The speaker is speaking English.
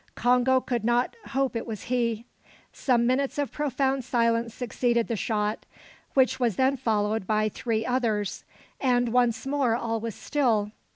Congo could not hope it was he. Some minutes of profound silence succeeded the shot, which was then followed by three others, and once more all was still.